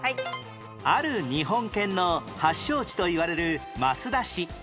ある日本犬の発祥地といわれる益田市